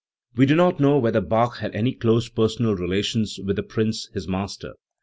We do not know whether Bach had any close personal relations with the prince his master.